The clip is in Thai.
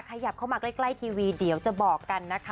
ขยับเข้ามาใกล้ทีวีเดี๋ยวจะบอกกันนะคะ